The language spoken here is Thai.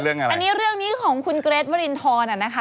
เรื่องค่ะเรื่องนี้ของคุณเกรกเวอรินทร